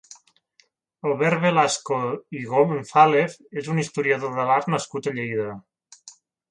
Albert Velasco i Gonzàlez és un historiador de l'art nascut a Lleida.